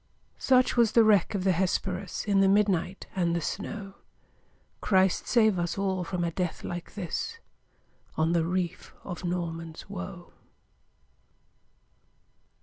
Such was the wreck of the Hesperus, In the midnight and the snow! Christ save us all from a death like this, On the reef of Norman's Woe!